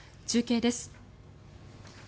中継です。